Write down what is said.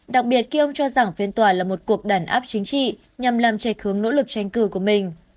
đặc biệt khi ông cho rằng phiên tòa là một cuộc đàn áp chính trị nhằm làm trạch hướng nỗ lực tranh cử của mình